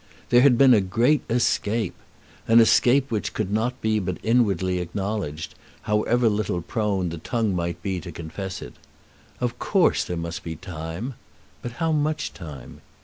There had been a great escape, an escape which could not but be inwardly acknowledged, however little prone the tongue might be to confess it. Of course there must be time; but how much time?